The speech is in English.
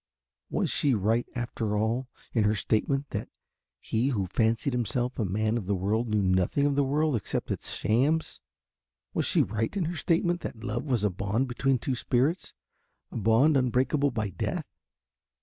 Was she right after all in her statement that he who fancied himself a man of the world knew nothing of the world except its shams? Was she right in her statement that love was a bond between two spirits, a bond unbreakable by death?